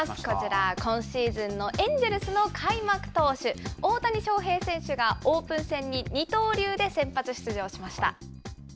こちら、今シーズンのエンジェルスの開幕投手、大谷翔平選手がオープン戦に二刀流で先発出場しま